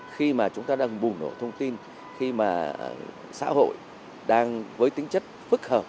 khi mà chúng ta đang bùng nổ thông tin khi mà xã hội đang với tính chất phức hợp